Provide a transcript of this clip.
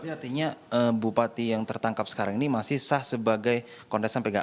artinya bupati yang tertangkap sekarang ini masih sah sebagai kontesan pegang